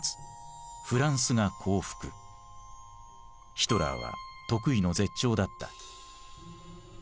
ヒトラーは得意の絶頂だった。